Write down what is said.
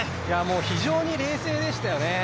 非常に冷静でしたよね。